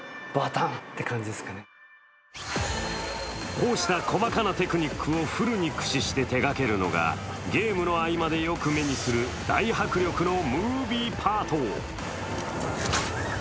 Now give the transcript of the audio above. こうした細かなテクニックをフルに駆使して手がけるのがゲームの合間でよく目にする大迫力のムービーパート。